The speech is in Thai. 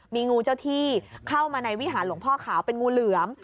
มีงูเจ้าที่เข้ามาในวิหารหลวงพ่อขาวเป็นงูเหลือม